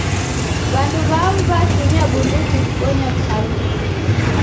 W'andu w'amu w'atumia bunduki kubonya w'uhalifu.